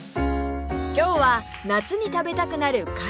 今日は夏に食べたくなるカレー！